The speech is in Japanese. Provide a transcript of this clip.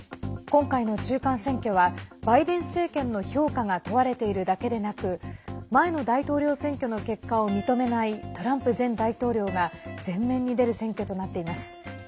今回の中間選挙はバイデン政権の評価が問われているだけでなく前の大統領選挙の結果を認めないトランプ前大統領が前面に出る選挙となっています。